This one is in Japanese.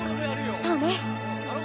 そうね。